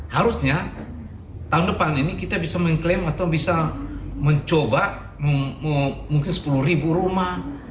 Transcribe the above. harusnya tahun depan ini kita bisa mengklaim atau bisa mencoba mungkin sepuluh ribu rumah